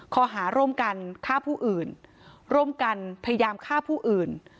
ข้อหาร่วมกันฆ่าผู้อื่นร่วมกันพยายามฆ่าผู้อื่น